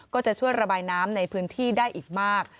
ก็จะช่วยระบายน้ำในพื้นที่ได้อีกมาก